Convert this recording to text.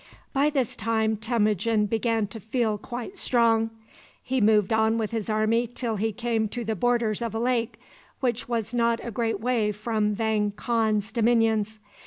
By this time Temujin began to feel quite strong. He moved on with his army till he came to the borders of a lake which was not a great way from Vang Khan's dominions.